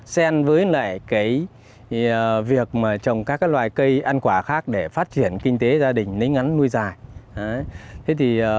sen với lại việc trồng các loài cây ăn quả khác để phát triển kinh tế gia đình nến ngắn nuôi dài